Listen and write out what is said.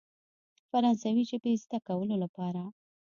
فرانسوي ژبې زده کولو لپاره.